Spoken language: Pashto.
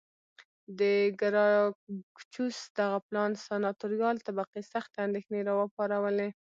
د ګراکچوس دغه پلان سناتوریال طبقې سختې اندېښنې را وپارولې